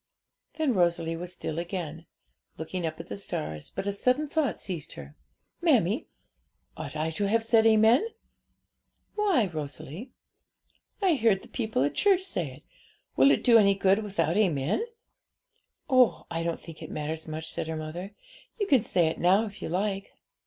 Then Rosalie was still again, looking at the stars; but a sudden thought seized her. 'Mammie, ought I to have said amen?' 'Why, Rosalie?' 'I heard the people at church say it. Will it do any good without amen?' 'Oh, I don't think it matters much,' said her mother; 'you can say it now, if you like.'